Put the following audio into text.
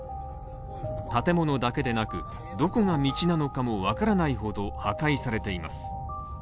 建物だけでなく、どこが道なのかも分からないほど破壊されています。